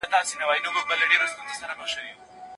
پوهان به د نوو اقتصادي تيوريو په اړه بحثونه کوي.